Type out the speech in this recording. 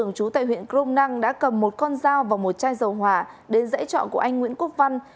chú tại huyện crom năng đã cầm một con dao và một chai dầu hỏa đến dãy trọ của anh nguyễn quốc văn